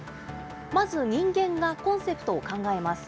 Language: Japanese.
まず人間がコンセプトを考えます。